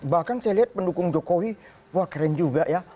bahkan saya lihat pendukung jokowi wah keren juga ya